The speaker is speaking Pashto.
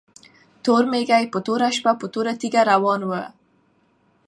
تور کيږی په توره شپه په توره تيږه روان وو